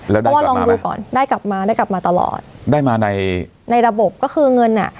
แล้วได้กลับมาไหมได้กลับมาได้กลับมาตลอดได้มาในในระบบก็คือเงินอ่ะ